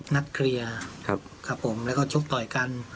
นัดเคลียร์ครับผมแล้วก็ชกต่อยกัน